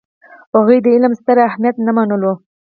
هغوی د علم ستر اهمیت نه منلو.